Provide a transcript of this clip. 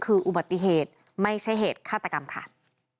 ขับรถเร็วเพิ่งขับรถเร็ว